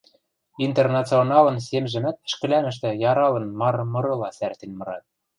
«Интернационалын» семжӹмӓт ӹшкӹлӓнӹштӹ яралын мары мырыла сӓртен мырат.